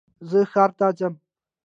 زه ښار ته ځم